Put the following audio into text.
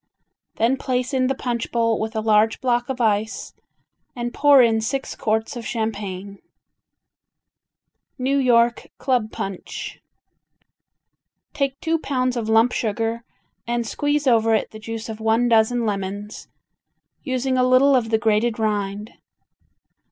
Then place in the punch bowl with a large block of ice, and pour in six quarts of champagne. New York Club Punch Take two pounds of lump sugar and squeeze over it the juice of one dozen lemons, using a little of the grated rind.